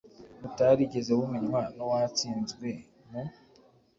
butarigeze bumenywa n uwatsinzwe mu